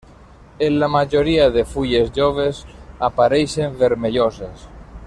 En la majoria les fulles joves apareixen vermelloses.